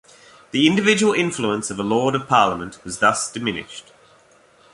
The individual influence of a Lord of Parliament was thus diminished.